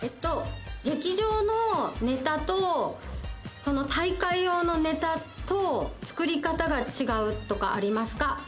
劇場のネタと大会用のネタと作り方が違うとかありますか？